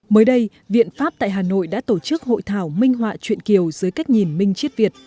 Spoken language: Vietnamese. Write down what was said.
mới đây viện pháp tại hà nội đã tổ chức hội thảo minh họa chuyện kiều dưới cách nhìn minh chiết việt